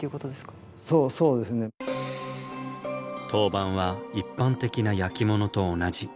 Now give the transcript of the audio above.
陶板は一般的な焼き物と同じ。